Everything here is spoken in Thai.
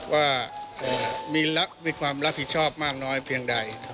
ว่ามีความรับผิดชอบมากน้อยเพียงใด